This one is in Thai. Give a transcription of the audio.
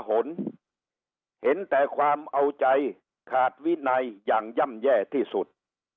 เห็นแต่ความเอาใจขาดวินัยอย่างย่ำแย่ที่สุด